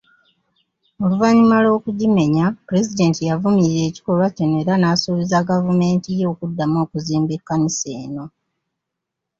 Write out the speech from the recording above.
Oluvannyuma lw'okugimenya, Pulezidenti yavumirira ekikolwa kino era n'asuubiza gavumenti ye okuddamu okuzimba ekkanisa eno.